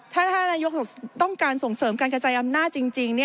ถ้านายกต้องการส่งเสริมการกระจายอำนาจจริง